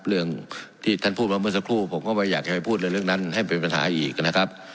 เรื่องที่ท่านพูดมาเมื่อสักครู่ผมก็ไม่อยากจะไปพูดในเรื่องนั้นให้เป็นปัญหาอีกนะครับ